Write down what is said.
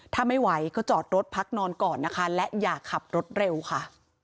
ถ้าไม่ไหวก็จอดรถพักนอนก่อนนะคะและอย่าขับรถเร็วค่ะ